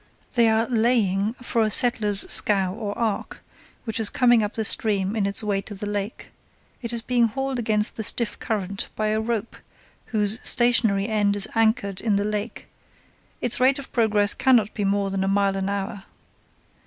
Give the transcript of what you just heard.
They are "laying" for a settler's scow or ark which is coming up the stream on its way to the lake; it is being hauled against the stiff current by a rope whose stationary end is anchored in the lake; its rate of progress cannot be more than a mile an hour.